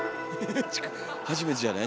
初めてじゃない？